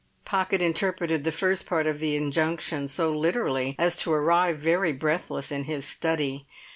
Pocket interpreted the first part of the injunction so literally as to arrive very breathless in his study.